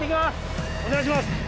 お願いします！